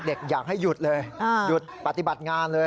อยากให้หยุดเลยหยุดปฏิบัติงานเลย